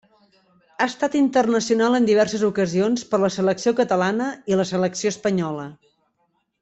Ha estat internacional en diverses ocasions per la selecció catalana i la selecció espanyola.